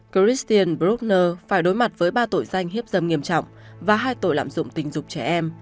christian brugner phải đối mặt với ba tội danh hiếp dâm nghiêm trọng và hai tội lạm dụng tình dục trẻ em